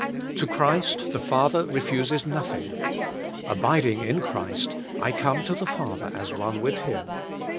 To Christ the Father refuses nothing. Abiding in Christ, I come to the Father as one with Him.